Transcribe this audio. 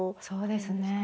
そうですね。